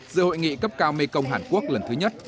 giữa hội nghị cấp cao mekong hàn quốc lần thứ nhất